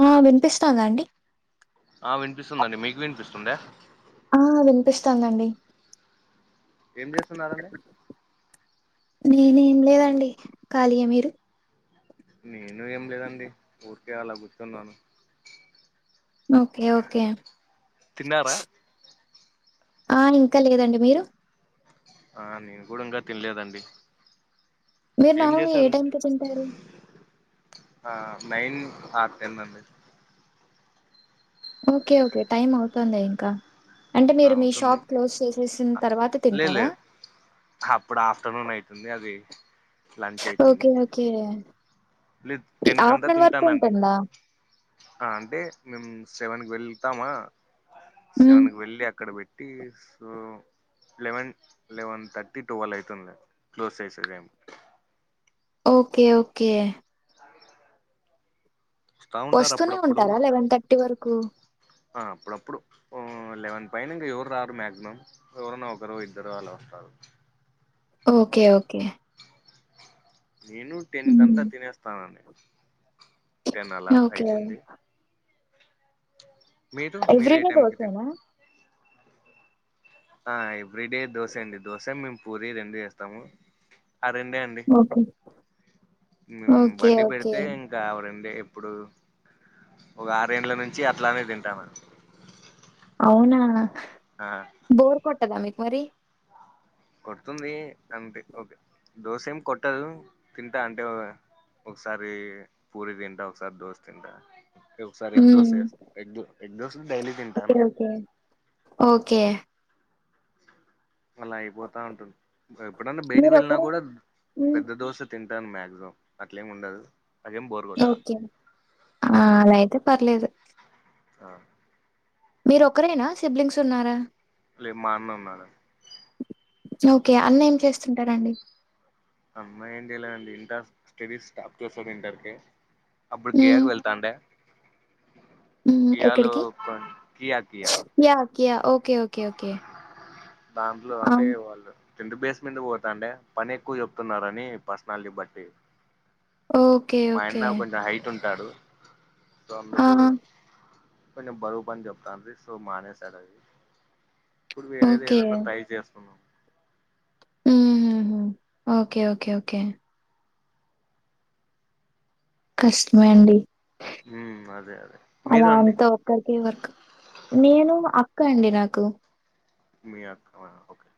ఆ వినిపిస్తుందా అండి ఆ వినిపిస్తుందండి మీకు వినిపిస్తుంద ఆ వినిపిస్తాందండి ఏం చేస్తున్నారండి నేనేం లేదండి కాలీయే మీరు నేను ఏం లేదండి ఊరికే అలా కూర్చున్నాను ఓకే ఓకే తిన్నారా ఆ ఇంకా లేదండి మీరు ఆ నేను కూడ ఇంకా తినలేదండి మీరు ఏం నార్మల్‌గా ఏ జేశారన్ టైంకి తింటారు? ఆ నైన్ ఆ టెన్ అండి ఓకే ఓకే టైమ్ అవుతుందే ఇంకా అంటే ఆ, మీరు మీ అవుతుంది షాప్ క్లోజ్ జేసేసిన్తర్వాత లేదు తింటారా లేదు అప్పుడు ఆఫ్టర్నూన్ అయితుంది అది ఓకే ఓకే లేద్ ఈ టెన్ కంత ఆఫ్టర్‌నూన్ వరకు తింటానండి ఉంటుందా? ఆ అంటే మేము సెవెన్ కి వెల్తామా హ్మ్. సెవెన్ కి వెళ్ళి అక్కడ పెట్ టీ so eleven eleven thirty, twelve అయితుందిలె క్లోజ్ చేసేదెం ఓకే ఓకే వస్తా ఉంటారు వస్తూనే అప్పుడప్పుడు ఉంటారా లెవెన్ థర్టీ వరకు ఆ అప్పుడప్పుడు ఆ లెవెన్ పైన ఇంగ ఎవరు రారు మాక్సిమం ఎవరన్న ఒకరు ఇద్దరు అలా వస్తారు ఓకే ఓకే నేను టెన్ హ్మ్. కంతా తినేస్తానండి టెన్ అలా ఓకే. అయితుంది మీరు మీరు ఎవ్రీ ఏ డే టైంకి తింట దోసేనా ఆ ఎవ్రీ డే దోసే అండి దోస మేము పూరి రెండు ఏస్తాము అ రండే అండి ఓకే. మేం ఓకే. బండి ఓకే. పెడితే కావరండి ఎప్పుడూ ఒక ఆరెండ్ల నుంచి అట్లనే తింటాన అవునా ఆ బోర్ కొట్టదా మీక్ మరి కొడుతుంది అంతె ఓకే దోసేం కొట్టదు తింటా అంటే ఒకసారి పూరి తింటా, ఒకసారి దోస్ తింట ఒకసారి ఎగ్ హ్మ్. దోసెస్త ఎగ్గ్ ఎగ్దోశ డైలీ ఓకే. తింటాను ఓకే. ఓకే అలా అయిపోతా ఉంటుంది ఎప్పుడన్న బయటికి వెళ్ళినా మీరొకరే గూడా హ్మ్. పెద్ద దోసె తింటాను మాక్సిమం అట్లేమ్ ఉండదు అదేం బోరు ఓకే ఆ అలాయితే పర్లేదు ఆ మీరోక్కరేనా సిబ్లింగ్స్ ఉన్నారా లేదు మా అన్న ఉన్నాడు ఓకే అన్న ఏం చేస్తుంటాడండి అన్న ఏంచేయలేదండి ఇంటర్ స్టడీస్ స్టాప్ చేసాడు ఇంటర్ కే అప్పుడి కేడ హ్మ్. వెళ్తాండే ఉమ్ హ్ కియాలో ఎక్కడికి కొ- కియా కియా ఓకే ఓకే ఓకే ఆ ఇంటర్ బేస్ మీంద పోతాంటె పనెక్కువ చెప్తున్నారని పర్స్నాలిటీ బట్టి ఓకే. ఓకే. మాయన్న కొంచెం హైట్ ఉంటాడు సో ఆ! అందుకు కొంచెం బరువు పని చెప్తాన్ట్రీ సో మానేసాడది ఇప్పుడు వేరేది ఓకే. ఏదన్నా ట్రై చేస్తున్నాం ఉమ్ హు హు ఓకే ఓకే ఓకే. కష్టమండి ఉమ్ అదే అదే మీరు అండి అలాంత ఒక్కరికే వర్క్ నేను అక్క అండి నాకు. మీ అక్క నా ఓకే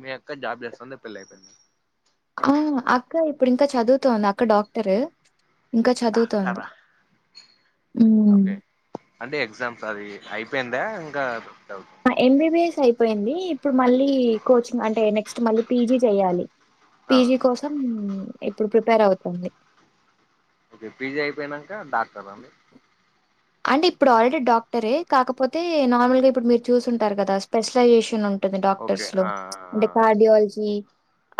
మీ అక్క జాబ్ చేస్తుంద పెళ్ళి అయిపోయింద ఆ అక్క ఇప్పుడు ఇంకా చదువుతుంది అక్క డాక్టరు. ఇంకా చదువుతోంది డాక్టరా ఉమ్మ్ ఓకే అంటే ఎగ్జామ్స్ అది అయిపోయిందా ఇంకా డౌట్ ఎంబీబిఎస్ అయిపోయింది ఇప్పుడు మళ్ళీ కోచింగ్ అంటే నెక్స్ట్ మళ్ళీ పీజి చెయాలి. ఆ పీజి కోసం ఇప్పుడు ప్రిపేర్ అవుతుంది. ఓకే పీజీ అయిపోయినాక డాక్టర అండి. అంటే ఇప్పుడు ఆల్రెడీ డాక్టరే కాకపోతే నార్మల్ గా ఇప్పుడు మీరు చూసింటారు కదా స్పెషలైజేషన్ ఉ. ఉంటుంది ఓకే డాక్టర్స్ లో ఆ ఆ అంటే ఆ కార్డియాలజీ.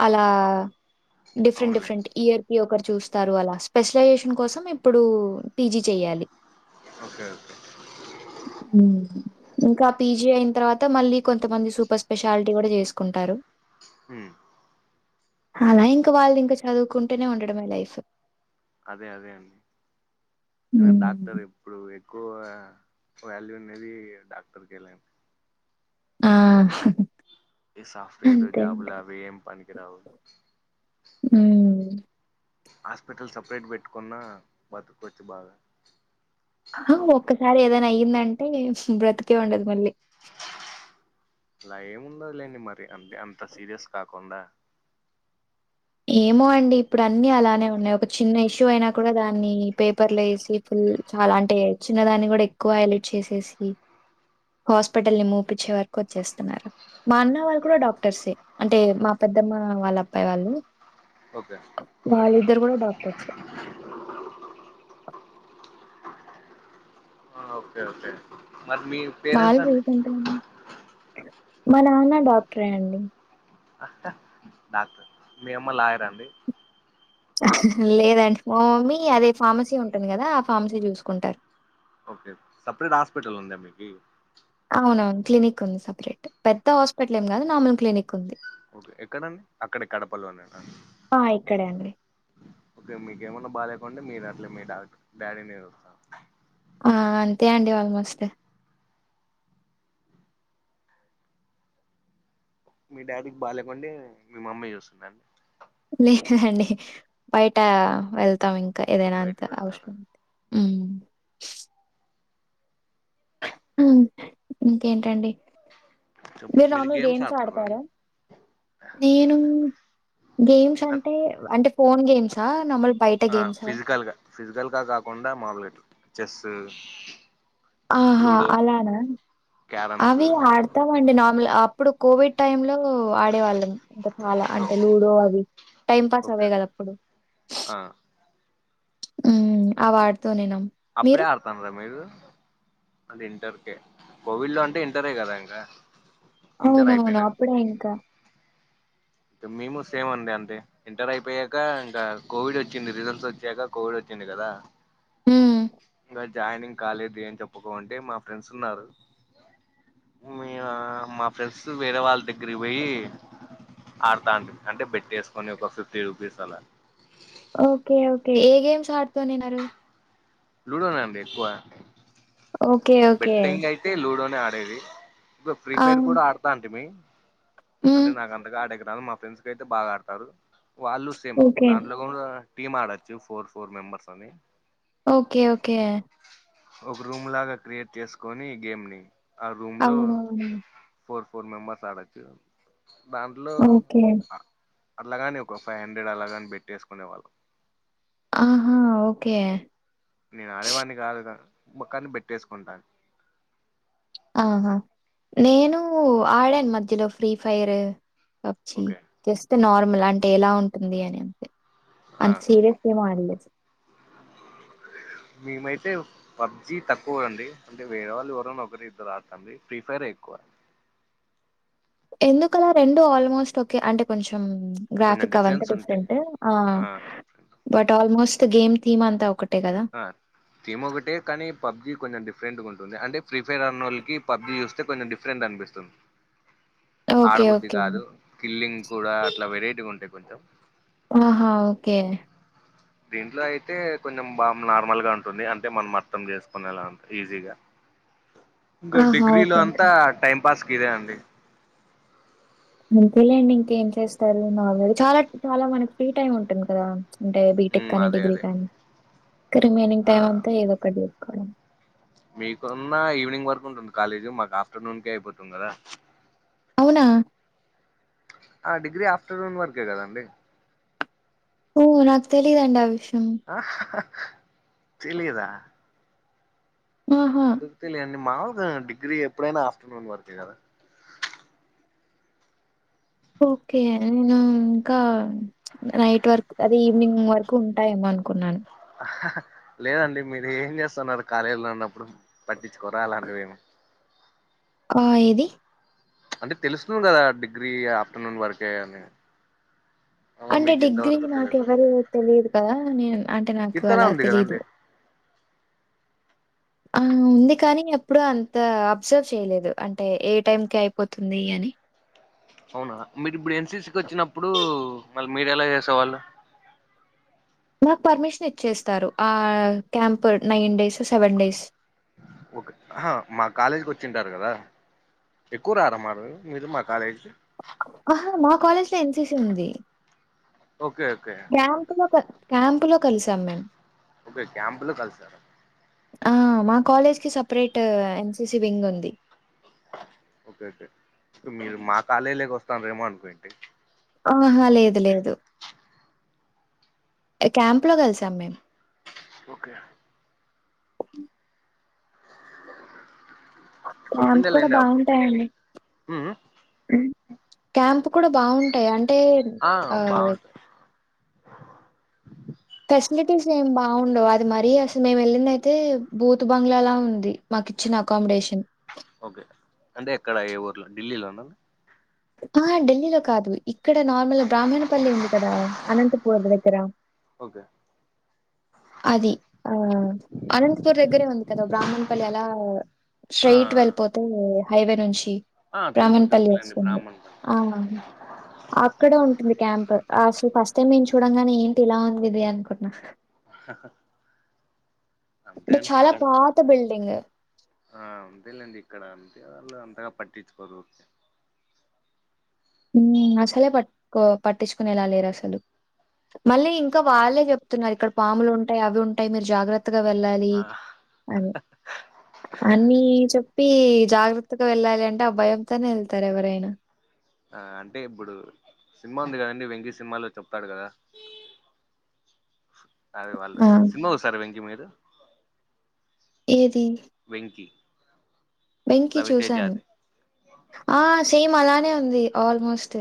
అలా అవును డిఫరెంట్ అవునులేండి డిఫరెంట్ ఇయర్. ఈ ఒకరు చూస్తారు అలా స్పెషలైజేషన్ కోసం ఇప్పుడు పీజీ చెయ్యాలి. Okay okay. ఉమ్మ్ ఇంకా పీజీ అయిన తర్వాత మళ్ళీ కొంతమంది సూపర్ స్పెషాలిటీ కూడా చేసుకుంటారు. ఉమ్మ్ అలా ఇంకా వాళ్ళు ఇంకా చదువుకుంటేనే ఉండడమే లైఫ్. అదే అదే అండి హ్మ్. డాక్టర్. ఇప్పుడు ఎక్కువ వాల్యూ ఉండేది డాక్టర్కి లెండి ఆ ఈ సాఫ్ట్వేర్ అంతే అండి. జాబులు అవి ఏం పనికిరావు. ఉమ్మ్ హాస్పిటల్ సపరేట్ పెట్టుకున్న బతుకచ్చు బాగా. ఒక్కసారి ఏదనా అయ్యిందంటే బ్రతికే ఉండదు మళ్ళీ. అలా ఏముండదు లేండి మరి అంతే అంత సీరియస్ కాకుండా. ఏమో అండి ఇప్పుడు అన్ని అలానే ఉన్నాయి ఒక చిన్న ఇష్యూ అయినా కూడా దాన్ని పేపర్లు వేసి. ఫుల్ చాలా అంటే చిన్న దాన్ని కూడా ఎక్కువ హైలైట్ చేసేసి. హాస్పిటల్ ని మూపించే వరకు వచ్చేస్తున్నారు. మా అన్న వాళ్ళు కూడా డాక్టర్సే అంటే మా పెద్దమ్మ వాళ్ళ అబ్బాయి వాళ్ళు. ఓకే. వాళ్ళిద్దరు కూడా డాక్టర్స్. ఓకే ఓకే మరి మీ. వాళ పేరెంట్స్ అండి రీసెట్ గానీ మా నాన్న డాక్టరే అండి. డాక్టర్ మీ అమ్మ లాయర్ అండి. లేదండి మా మమ్మీ అదే ఫార్మసీ ఉంటుంది కదా ఆ ఫార్మసీ చూసుకుంటారు. ఓకే సపరేట్ హాస్పిటల్ ఉందా మీకి అవునవును క్లినిక్ ఉంది సపరేట్ పెద్ద హాస్పిటల్ ఏం కాదు నార్మల్ క్లినిక్ ఉంది. ఓకే ఎక్కడండి అక్కడే కడపలోనినా ఆ ఇక్కడే అండి. ఓకే మీకేమన్నా బాగాలేకుంటే మీరు అట్లే మీ డాక్టర్ డాడీని చూస్తారా ఆ అంతే అండి ఆల్మోస్ట్. మీ డాడీకి బాలేకుంటే మీ మమ్మీ చూస్తుంద లేదండి బయట వెళ్తాం ఇంకా ఏదైనా అంత బయటికి వెళ్తారా అవసరం. ఉ. ఇంకేంటండి మీరు రాముల్ గేమ్స్ ఆడతారా. నేను గేమ్స్ అంటే అంటే ఫోన్ గేమ్స్. ఆ నమ్ల్. ఆ ఫిజికల్ గా ఫిజికల్ గా కాకుండా మామూలుగా ఇట్ల చెస్సు ఆహా అలానా క్యారమ్స్ అవి ఆడతామండి నార్మల్ అప్ ఇప్పుడు కోవిడ్ టైమ్ లో ఆడేవాళ్ళం ఇంకా చాలా ఓకే అంటే లూడో అవి టైం పాస్ అవే కదా అప్పుడు ఆ ఉమ్ ఆ వాడుతూ నేనం అప్పుడే ఆడ్ అడతంట్రా మీరు అది ఇంటర్కే కోవిడ్ లో అంటే ఇంటరే కదా ఇంకా ఇంటర్ అవునవును అయిపోయినాక అప్పుడే ఇంకా ఇంక మేము సేమ్ అండి అంతే ఇంటర్ అయిపోయాక ఇంకా కోవిడ్ వచ్చింది రిజల్ట్స్ వచ్చాక కోవిడ్ వచ్చింది కదా హ్మ్. ఇంకా జాయినింగ్ కాలేదు అని చెప్పుకో అంటే మా ఫ్రెండ్స్ ఉన్నారు. మీ యా మా ఫ్రెండ్స్ వేరే వాళ్ళ దగ్గరికి పోయి ఆడతాంట్రి అంటే బెట్టేసుకొని ఒక ఫిఫ్టీ రూపీస్ అలా ఓకే ఓకే ఏ గేమ్స్ ఆడుతనిన్నారు లూడోనే అండి ఎక్కువ ఓకే. ఓకే. బెట్టెంగ్ అయితే లూడోనే ఆడేది ఎక్కువ ఫ్రీ ఆ! ఫైర్ కూడా అడతాంటిమి హ్మ్. అంటే నాకు అంతగా ఆడే దాన్లో మా ఫ్రెండ్స్ కయితే బాగా ఆడతారు వాళ్ళు సేమ్ ఓకే. దాంట్లో కూడా టీీమ్ ఆడొచ్చు ఫోర్ ఫోర్ మెంబర్స్ అని. Okay okay. ఒక రూమ్ లాగా క్రియేట్ చేసుకొని గేమ్ ని ఆ రూమ్ లో అవునవును. ఫోర్ ఫోర్ మెంబెర్స్ ఆడచ్చు దాంట్లో ఓకే. ఆ అట్లాగాని ఒక ఫైవ్ హండ్రెడ్ అలాగానీ బేట్టేసుకునే వాళ్ళం ఆహా ఓకే నేను ఆడేవాని కాదుగా పక్కన బెట్టేసుకుంటాను. ఆహా నేను ఆడాను మధ్యలో free fire PUBG okay just normal అంటే ఎలా ఉంటుంది అని ఆ అంతే సీరియస్గా ఏం ఆడ్లే మేమైతే పబ్జీ తక్కువ అండి అంటే వేరేవాళ్ళు ఎవరైనా ఒకరు ఇద్దరు ఆడతాండ్రి ఫ్రీ ఫైరే ఎక్కువ ఎందుకలా రెండు ఆల్మోస్ట్ ఓకే అంటే కొంచెం కొంచెం గ్రాఫిక్ అవంతా డిఫరెన్స్ ఉంటాయి డిఫరెంట్ ఆ బట్ ఆల్మోస్ట్ గేమ్ థీమ్ అంతా ఒకటే కదా ఆ థీమ్ ఒకటే కానీ పబ్జీ కొంచెం డిఫరెంట్గా ఉంటుంది అంటే ఫ్రీ ఫైర్ అన్నోళ్ళకి పబ్జి చూస్తే కొంచం డిఫ ఫ్రెండ్ అనిపస్తుంది ఓకే. ఆడబుద్ధి ఓకే. కాదు కిల్లింగ్ కూడా అట్లా వెరైటీగా ఉంటాయి కొంచెం ఓహా ఓకే దీంట్లో అయితే కొంచెం బా నార్మల్ గా ఉంటుంది అంటే మనం అర్థం చేసుకునేలా అంత ఈజీగా ఇంకా ఆహా! డిగ్రీ లో ఓకే. ఓకే. అంతా టైం పాస్కిదే అండి అంతేలేండి ఇంకేం చేస్తారు నార్మల్ చాలా చాలా మనకి ఫ్రీ టైమ్ ఉంటుంది కదా అంటే బీటెక్ హ్మ్. కానీ అదే డిగ్రీ అదే. కానీ ఇంకా రిమైనింగ్ ఆ! టైమ్ అంతా ఏదో ఒకటి చెస్కోవడం మీకున్న ఈవినింగ్ వరకు ఉంటుంది కాలేజీ మాకు ఆఫ్టర్నూన్కే అయిపోతుంది కదా అవునా ఆ డిగ్రీ ఆఫ్టర్నూన్ వర్కే కదండి ఓ నాకు తెలీదండి ఆ విషం తెలీదా ఆహా! ఎందుకు తెలియండి మాగా డిగ్రీ ఎప్పుడైనా ఆఫ్టర్నూన్ వరకే కదా ఓకే ఇంగా ఇంకా నైట్ వరకు అదే ఈవినింగ్ వరకు ఉంటాయేమో అనుకున్నాను లేదండి మీరు ఏం చేస్తన్నారు కాలేజీలో ఉన్నప్పుడు పట్టించుకోరా అలాంటివేం ఆ ఏది అంటే తెలుస్తుంది కదా డిగ్రీ ఆఫ్టర్నూన్ వరకే అని అలా అంటే మీకు డిగ్రీ ఇంతవరకు నాకు తెలియదండి. ఎవరూ తెలీదు కదా నేను అంటే నాకు కీర్తన అలా ఉంది తెలీదు గదండీ! ఆ ఉంది కాని ఎప్పుడు అంత అబ్జర్వ్ చేయలేదు అంటే ఏ టైంకి అయిపోతుంది అని అవునా మీరు ఇప్పుడు ఎన్సిసికి ఒచ్చినప్పుడు మళ్ళీ మీరు ఎలా చేసేవాళ్ళు మాకు పర్మిషన్ ఇచ్చేస్తారు ఆ camp nine days seven days ఒక అహా మా కాలేజీకి ఒచ్చింటారు కదా ఎక్కువ రారా మారు మీరు మా కాలేజ్కి అహా మా కాలేజ్ల ఎన్సిసి ఉంది ఓకే ఓకే క్యాంపులో క క్యాంపులో కలిసాం మేం ఓకే క్యాంప్లో కలిసారా ఆ మా కాలేజ్కి సపరేట్ ఎన్సిసి వింగ్ ఉంది ఓకే ఓకే ఇక మీరు మా కాలేజీలకి వస్తార్రెమో అనుకోనుంటి ఆహా లేదు లేదు క్యాంప్ లో కలిసాం మేం ఓకే క్యాంప్ చెప్పిండే కూడ లేండి అప్- బాగుంటాయండి మ్మ్ ఉం క్యాంప్ కూడ బాగుంటయి అంటే ఆ ఫెసిలిటీస్ ఏం బాగుండవు అది మరీ అసలు మేము వెళ్ళిందయితే బూత్ బంగ్లాలా ఉంది మాకిచ్చిన అకామడేషన్ ఓకే అంటే ఎక్కడ ఏ ఊర్లో ఢిల్లీలోనా అహా ఢిల్లీలో కాదు ఇక్కడ నార్మల్గ బ్రాహ్మణపల్లి ఉంది కదా అనంతపురం దగ్గర ఓకే అది ఆ అనంతపూర్ దగ్గరే ఉంది కదా బ్రాహ్మణపల్లి అలా ఆ స్ట్రెయిట్ వెళ్ళిపోతే హైవే నుంచి ఆ తెలుసు బ్రాహ్మణపల్లి తెలుసులేండి వస్తుంది బ్రాహ్మణ్ పల్లి. ఆ అ క్కడే ఉంటుంది క్యాంప్ అసలు ఫస్ట్ టైం నేను చూడంగానే ఏంటి ఇలా ఉందిది అనుకున్నా క్కత్ అంటే చాలా ఇక్కడ పాత బిల్డింగ్ ఆ అంతేలేండి ఇక్కడ అంతే వాళ్ళు అంతగా పట్టించుకోరు ఊమ్ అసలే పట్కో పట్టించుకునేలా లేరు అసలు మళ్ళీ ఇంకా వాళ్ళే చెప్తున్నారు ఇక్కడ పాములు ఉంటాయి అవి ఉంటాయి మీరు జాగ్ర కొత్తగా వెళ్ళాలి ఆ అని అన్ని చెప్పి జాగ్రత్తగా వెళ్ళాలి అంటే ఆ భయంతోనే వెళ్తారు ఎవరైనా ఆ అంటే ఇప్పుడు సినిమా ఉంది కదండి వెంకీ సినిమాలో చెప్తాడు కదా అదే వాళ్ళు ఆ! సినిమా చూసారు వెంకి మీరు ఏది వెంకీ వెంకి రవితేజ చూశాను అది ఆ సేమ్ అలానే ఉంది ఆల్మోస్ట్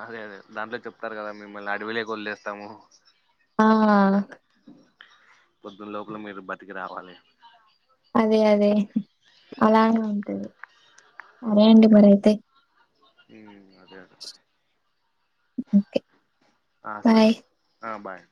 అదే అదే దాంట్లో చెప్తారు కదా మిమ్మల్ని అడవిలో కి వదిలేస్తాము ఆ పొద్దున్న లోపల మీరు బతికి రావాలి అదే అదే అలానే ఉంటుంది సరే అండి మరి అయితే హుమ్ అదే ఓకే ఆ సరే బాయ్. ఆ బాయ్